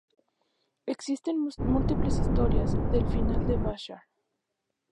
Existen múltiples historias del final de Bashar.